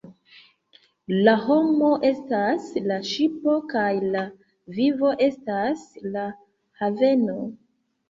La homo estas la ŝipo kaj la vivo estas la haveno.